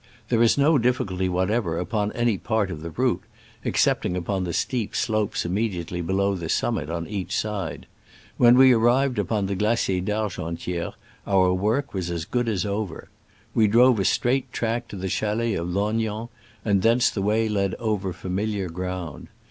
There is no difficulty whatever upon any part of the route, excepting upon the steep slopes immediately below the sum mit on each side. When we arrived upon the Glacier d' Argentiere our work was as good as over. We drove a straight track to the chalets of Lognan, and thence the way led over familiar ground.